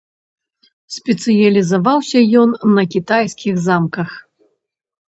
Спецыялізаваўся ён на кітайскіх замках.